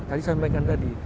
tadi saya sampaikan tadi